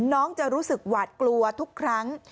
น้องจะรู้สึกหวาดกลัวทุกครั้ง